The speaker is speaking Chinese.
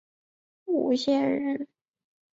吴县人。